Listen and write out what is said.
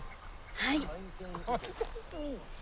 はい。